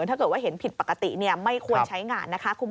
ถ้าเกิดว่าเห็นผิดปกติไม่ควรใช้งานนะคะ